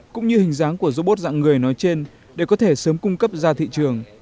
cũng như hình dáng của robot dạng người nói trên để có thể sớm cung cấp ra thị trường